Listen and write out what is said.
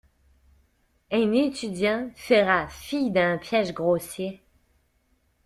Un étudiant fera fi d'un piège grossier.